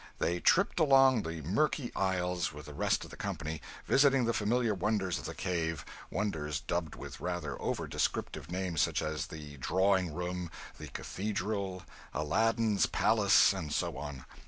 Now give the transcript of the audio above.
They tripped along the murky aisles with the rest of the company, visiting the familiar wonders of the cave—wonders dubbed with rather over descriptive names, such as "The Drawing Room," "The Cathedral," "Aladdin's Palace," and so on.